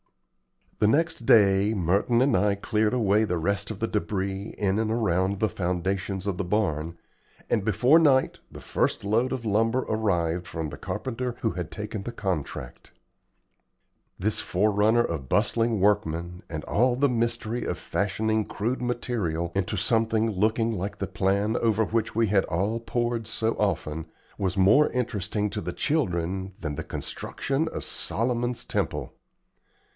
The next day Merton and I cleared away the rest of the debris in and around the foundations of the barn, and before night the first load of lumber arrived from the carpenter who had taken the contract. This forerunner of bustling workmen, and all the mystery of fashioning crude material into something looking like the plan over which we had all pored so often, was more interesting to the children than the construction of Solomon's temple.